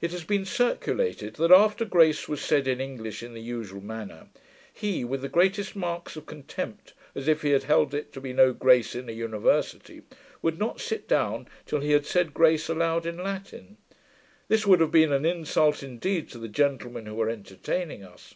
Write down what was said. It has been circulated, that, after grace was said in English, in the usual manner, he with the greatest marks of contempt, as if he had held it to be no grace in an university, would not sit down till he had said grace aloud in Latin. This would have been an insult indeed to the gentlemen who were entertaining us.